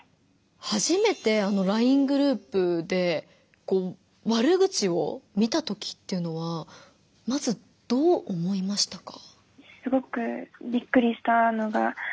初めてＬＩＮＥグループで悪口を見たときっていうのはまずどう思いましたか？